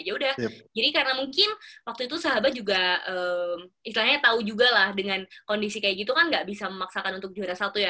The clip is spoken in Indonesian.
ya udah jadi karena mungkin waktu itu sahabat juga istilahnya tahu juga lah dengan kondisi kayak gitu kan nggak bisa memaksakan untuk juara satu ya